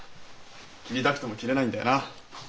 切りたくても切れないんだよな。